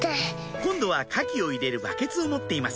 今度はカキを入れるバケツを持っています